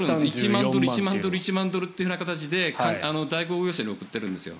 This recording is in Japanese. １万ドル、１万ドル１万ドルって形で代行業者に送ってるんですよ。